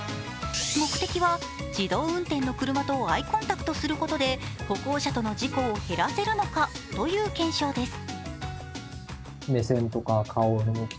目的は、自動運転の車とアイコンタクトすることで歩行者との事故を減らせるのかという検証です。